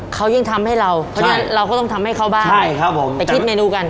เขายังทำให้เราเพราะฉะนั้นเราก็ต้องทำให้เขาบ้างไปคิดเมนูกัน